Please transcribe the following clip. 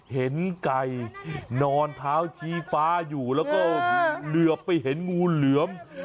เห็นไก่นอนเท้าชี้ฟ้าอยู่แล้วก็เหลือไปเห็นงูเหลือม